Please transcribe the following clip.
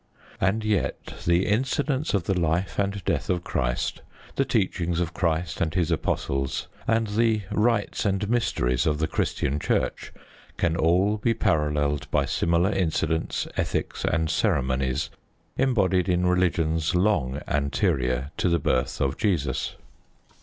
And yet the incidents of the life and death of Christ, the teachings of Christ and His Apostles, and the rites and mysteries of the Christian Church can all be paralleled by similar incidents, ethics, and ceremonies embodied in religions long anterior to the birth of Jesus.